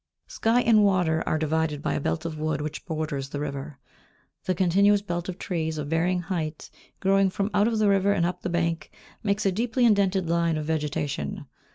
Sky and water are divided by a belt of wood which borders the river. The continuous belt of trees, of varying height, growing from out the river and up the bank, makes a deeply indented line of vegetation.